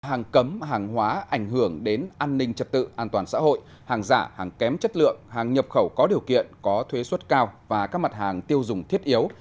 hàng cấm hàng hóa ảnh hưởng đến an ninh trật tự an toàn xã hội hàng giả hàng kém chất lượng hàng nhập khẩu có điều kiện có thuế xuất cao và các mặt hàng tiêu dùng thiết yếu